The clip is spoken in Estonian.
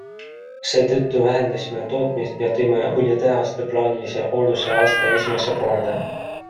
Seetõttu vähendasime tootmist ja tõime õlitehaste plaanilise hoolduse aasta esimesse poolde.